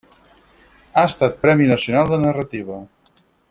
Ha estat Premi Nacional de narrativa.